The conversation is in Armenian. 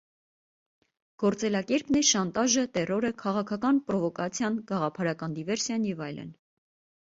Գործելակերպն է՝ շանտաժը, տեռորը, քաղաքական պրովոկացիան, գաղափարական դիվերսիան և այլն։